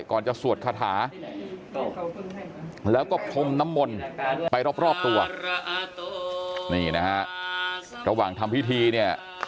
ก่อนจะสวดคาถาแล้วก็พรมน้ำมนต์ไปรอบตัวนี่นะฮะระหว่างทำพิธีเนี่ย